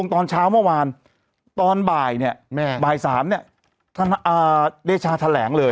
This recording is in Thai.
ตอนเช้าเมื่อวานตอนบ่ายเนี่ยแม่บ่าย๓เนี่ยท่านเดชาแถลงเลย